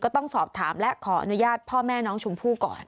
ต้องสอบถามและขออนุญาตพ่อแม่น้องชมพู่ก่อน